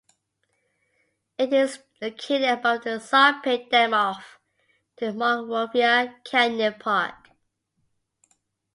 It is located above the sawpit dam off of Monrovia Canyon Park.